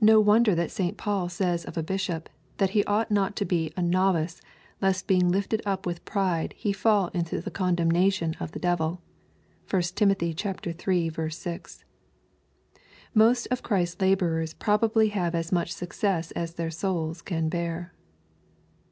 No wonder that St. Paul says of a bishop, that he ought not to be "a novice, lest being lifted up with pride, he fall into the condemnation of the devil." (1 Tim. iii. 6.) Most of Christ's laborers probably have as much success as their souls can bear.